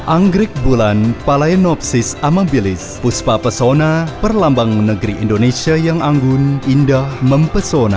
anggrik bulan palainopsis amabilis puspa pesona perlambang negeri indonesia yang anggun indah mempesona